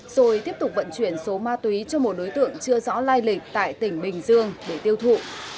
rồi tiếp tục vận chuyển số ma túy cho một đối tượng chưa rõ lai lịch tại tỉnh bình dương để tiêu thụ